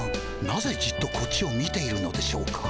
なぜじっとこっちを見ているのでしょうか？